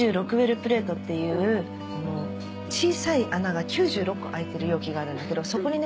プレートっていう小さい穴が９６個空いてる容器があるんだけどそこにね